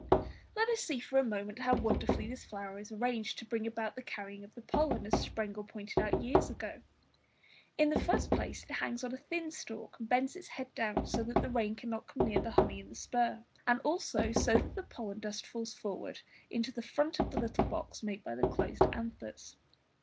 Let us see for a moment how wonderfully this flower is arranged to bring about the carrying of the pollen, as Sprengel pointed out years ago. In the first place, it hangs on a thin stalk, and bends its head down so that the rain cannot come near the honey in the spur, and also so that the pollen dust falls forward into the front of the little box made by the closed anthers.